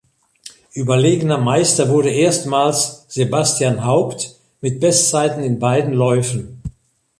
Überlegener Meister wurde erstmals Sebastian Haupt mit Bestzeiten in beiden Läufen.